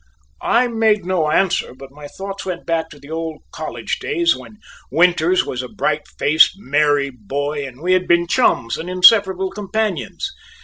I made no answer, but my thoughts went back to the old college days when Winters was a bright faced, merry boy, and we had been chums and inseparable companions.